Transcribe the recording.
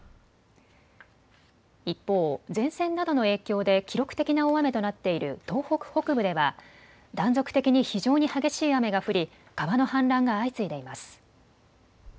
一方、前線などの影響で記録的な大雨となっている東北北部では断続的に非常に激しい雨が降り川の氾濫が相次いでいます。